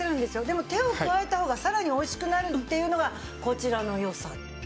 でも手を加えた方がさらにおいしくなるっていうのがこちらの良さ。